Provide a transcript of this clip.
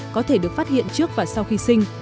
có thể được phát hiện trước và sau khi sinh